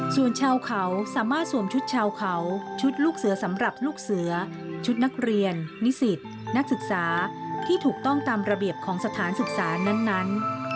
ส่วนชาวเขาสามารถสวมชุดชาวเขาชุดลูกเสือสำหรับลูกเสือชุดนักเรียนนิสิตนักศึกษาที่ถูกต้องตามระเบียบของสถานศึกษานั้น